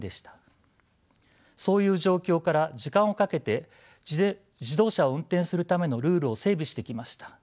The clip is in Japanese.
そういう状況から時間をかけて自動車を運転するためのルールを整備してきました。